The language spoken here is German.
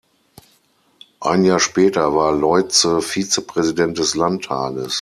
Ein Jahr später war Leuze Vizepräsident des Landtages.